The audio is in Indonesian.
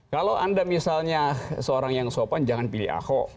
kalau anda misalnya seorang yang sopan jangan pilih ahok